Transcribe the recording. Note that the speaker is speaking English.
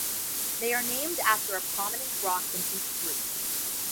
They are named after a prominent rock in each group.